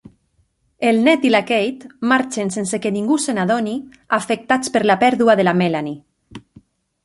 El Ned i la Kate marxen sense que ningú se n'adoni, afectats per la pèrdua de la Melanie.